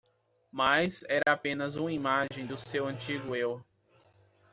Mas era apenas uma imagem do seu antigo eu.